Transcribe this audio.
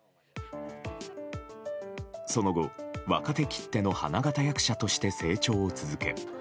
その後、若手きっての花形役者として成長を続け